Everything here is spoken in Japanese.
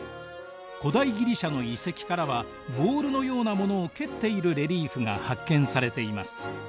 古代ギリシャの遺跡からはボールのようなものを蹴っているレリーフが発見されています。